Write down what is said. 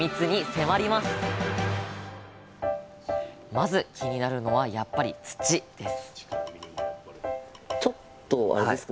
まず気になるのはやっぱり土です